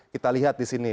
kita lihat di sini